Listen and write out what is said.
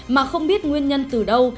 mà không biết nguyên nhân từ đâu